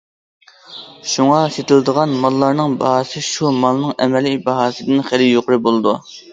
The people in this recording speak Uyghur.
شۇڭا، سېتىلىدىغان ماللارنىڭ باھاسى شۇ مالنىڭ ئەمەلىي باھاسىدىن خېلى يۇقىرى بولىدۇ.